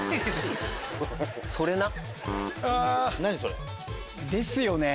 それな。ですよね。